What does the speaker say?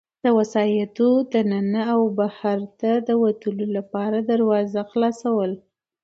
د وسایطو د ننه او بهرته د وتلو لپاره دروازه خلاصول.